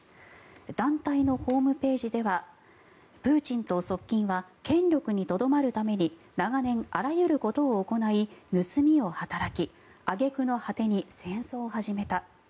団体のホームページではプーチンと側近は権力にとどまるために長年あらゆることを行い盗みを働き、揚げ句の果てに戦争を始めた。